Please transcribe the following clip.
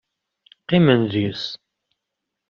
Qqimen deg-s.